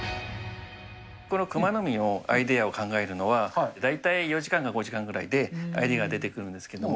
このクマノミのアイデアを考えるのは、大体４時間か５時間ぐらいで、アイデアが出てくるんですけども。